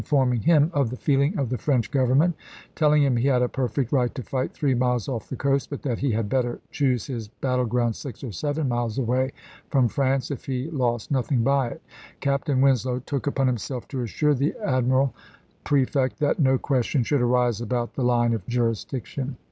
forming him of the feeling of the French Govern ment, telling him he had a perfect right to fight three miles off the coast, but that he had better choose his battleground six or seven miles away from France, if he lost nothing by it. Captain Winslow took upon himself to assure the admiral prefect that no question should arise about the line of jurisdiction.